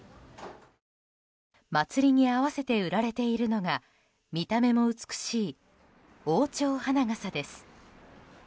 祭に合わせて売られているのが見た目も美しい王朝花笠です。